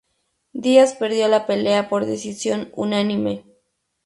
Diaz perdió la pelea por decisión unánime.